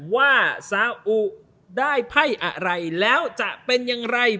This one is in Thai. ว่าซาอุได้ไพ่อะไรแล้วจะเป็นอย่างไร